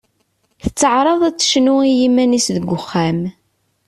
Tettaɛraḍ ad tecnu i yiman-is deg uxxam.